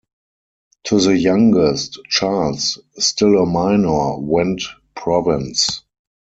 To the youngest, Charles, still a minor, went Provence.